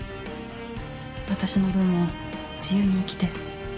私の分も自由に生きて。